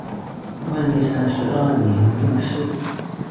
万历三十二年进士。